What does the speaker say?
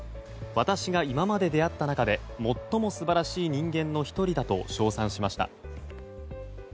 私が今まで出会った中で最も素晴らしい人間の１人だと称賛しました。